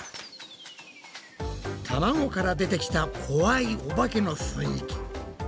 たまごから出てきた怖いおばけの雰囲気。